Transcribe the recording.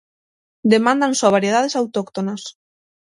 Demandan só variedades autóctonas.